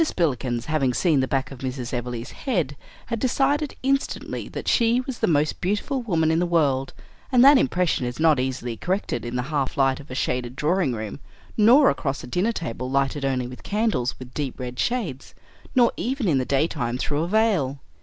Spillikins, having seen the back of Mrs. Everleigh's head, had decided instantly that she was the most beautiful woman in the world; and that impression is not easily corrected in the half light of a shaded drawing room; nor across a dinner table lighted only with candles with deep red shades; nor even in the daytime through a veil.